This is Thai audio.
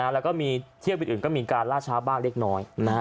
แล้วก็มีเที่ยวบินอื่นก็มีการล่าช้าบ้างเล็กน้อย